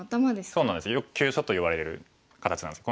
そうなんですよく急所といわれる形なんです。